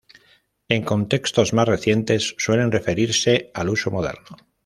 En contextos más recientes suele referirse al uso moderno.